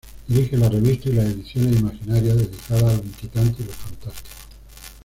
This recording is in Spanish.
Dirige la revista y las ediciones Imaginaria, dedicadas a lo inquietante y lo fantástico.